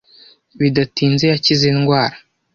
Bidatinze yakize indwara.